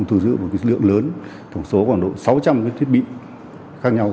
cũng thu giữ một lượng lớn thổng số khoảng độ sáu trăm linh cái thiết bị khác nhau